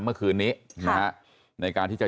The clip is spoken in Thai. เมื่อคืนนี้นะฮะในการที่จะ